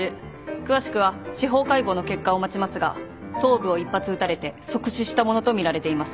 詳しくは司法解剖の結果を待ちますが頭部を１発撃たれて即死したものとみられています。